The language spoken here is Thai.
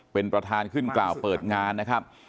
เป็นประธานขึ้นกล่าวเปิดงานนะครับ